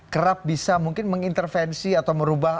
kerap bisa mungkin mengintervensi atau merubah